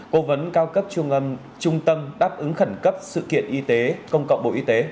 cố vấn cao cấp trung tâm đáp ứng khẩn cấp sự kiện y tế công cộng bộ y tế